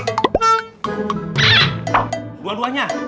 kau buang dua nya